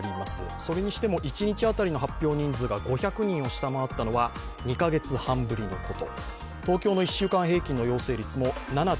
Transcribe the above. それにしても、一日当たりの発表人数が５００人を下回ったのは２カ月半ぶりのこと。